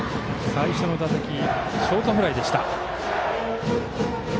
最初の打席はショートフライ。